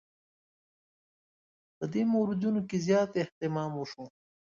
په دې موردونو کې زیات اهتمام وشو.